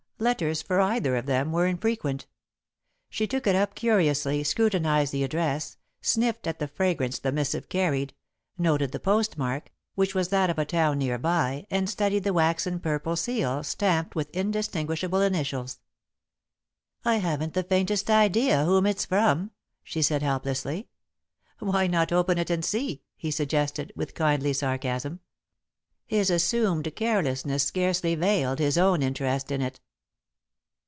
Letters for either of them were infrequent. She took it up curiously, scrutinised the address, sniffed at the fragrance the missive carried, noted the postmark, which was that of the town near by, and studied the waxen purple seal, stamped with indistinguishable initials. "I haven't the faintest idea whom it's from," she said, helplessly. "Why not open it and see?" he suggested, with kindly sarcasm. His assumed carelessness scarcely veiled his own interest in it.